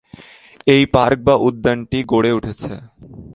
এই পার্ক বা উদ্যানটি গড়ে উঠেছে।